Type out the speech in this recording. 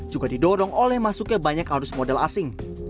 juga didorong oleh masuknya banyak arus modal asing